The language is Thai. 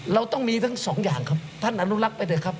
เราต้องมีทั้งสองอย่างครับท่านอนุรักษ์ไปเถอะครับ